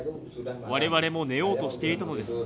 われわれも寝ようとしていたのです。